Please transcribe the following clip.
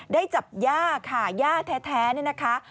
ได้จับย่าค่ะย่าแท้นะคะ